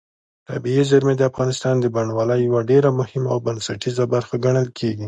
طبیعي زیرمې د افغانستان د بڼوالۍ یوه ډېره مهمه او بنسټیزه برخه ګڼل کېږي.